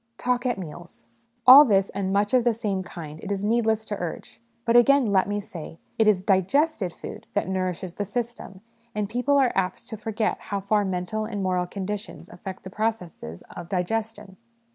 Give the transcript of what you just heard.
Talk at Meals. All this and much of the same kind it is needless to urge ; but again let me say, it is digested food that nourishes the system, and people are apt to forget how far mental and moral SOME PRELIMINARY CONSIDERATIONS 27 conditions affect the processes of digestion.